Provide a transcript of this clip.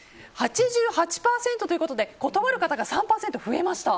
８８％ということで断る方が３％増えました。